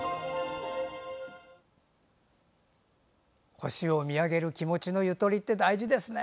星を見上げる気持ちのゆとりって大事ですね。